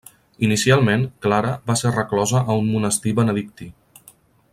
Inicialment, Clara va ser reclosa a un monestir benedictí.